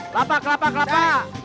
lapa kelapa kelapa